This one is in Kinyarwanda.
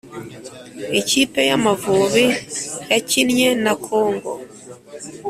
Ikipe yamavubi yakinywe na congo